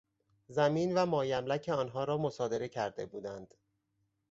زمین و مایملک آنها را مصادره کرده بودند.